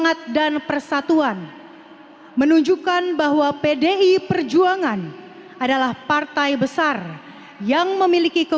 kita berusaha untuk membangun dunia baru